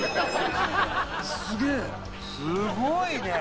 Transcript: すごいね。